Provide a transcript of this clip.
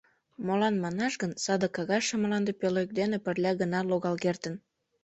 Молан манаш гын, саде кагазше мланде пӧлек дене пырля гына логал кертын.